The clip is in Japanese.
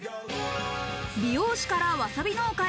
美容師からわさび農家へ。